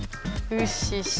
ウッシッシ！